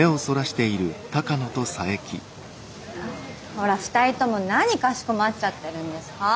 ほら２人とも何かしこまっちゃってるんですか。